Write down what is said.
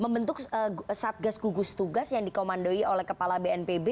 membentuk satgas gugus tugas yang dikomandoi oleh kepala bnpb